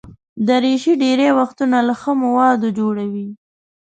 دریشي ډېری وختونه له ښه موادو جوړه وي.